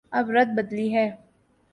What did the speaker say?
اب رت بدلی ہے۔